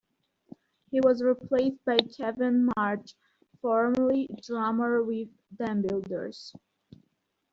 He was replaced by Kevin March, formerly drummer with Dambuilders.